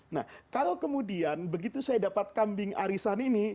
nah kalau kemudian begitu saya dapat kambing arisan ini